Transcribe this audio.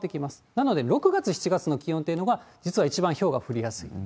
なので、６月、７月の気温というのが、実は一番ひょうが降りやすい。